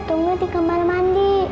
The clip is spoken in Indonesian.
tunggu di kamar mandi